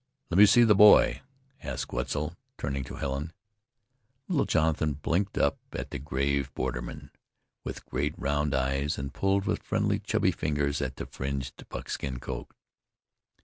"Let me see the boy?" asked Wetzel, turning to Helen. Little Jonathan blinked up at the grave borderman with great round eyes, and pulled with friendly, chubby fingers at the fringed buckskin coat.